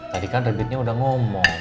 tadi kan rebitnya udah ngomong